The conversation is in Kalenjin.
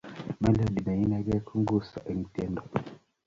melodi neinekei kongusa eng tiendo